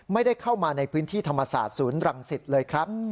ไม่ได้เข้ามาในพื้นที่ธรรมศาสตร์ศูนย์รังสิตเลยครับ